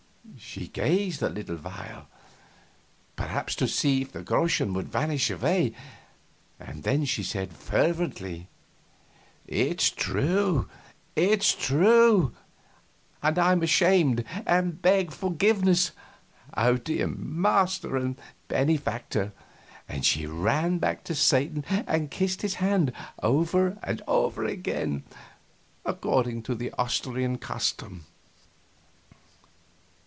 She gazed a little while, perhaps to see if the groschen would vanish away; then she said, fervently: "It's true it's true and I'm ashamed and beg forgiveness, O dear master and benefactor!" And she ran to Satan and kissed his hand, over and over again, according to the Austrian custom.